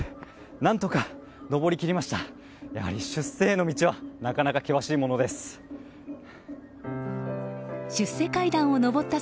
何とか上り切りました。